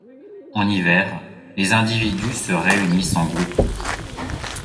En hiver, les individus se réunissent en groupe.